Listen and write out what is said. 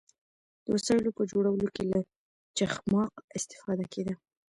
د وسایلو په جوړولو کې له چخماق استفاده کیده.